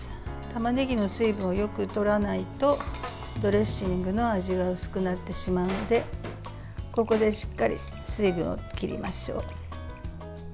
たまねぎの水分をよく取らないとドレッシングの味が薄くなってしまうのでここでしっかり水分を切りましょう。